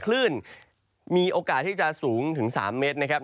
คลื่นมีโอกาสที่จะสูงถึง๓เมตรนะครับ